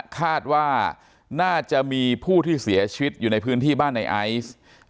คาดว่าน่าจะมีผู้ที่เสียชีวิตอยู่ในพื้นที่บ้านในไอซ์